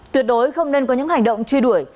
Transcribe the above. tuyệt đối không nên có những hành động truy đuổi